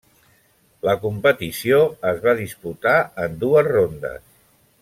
La competició es va disputar en dues rondes.